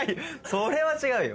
それは違うよ。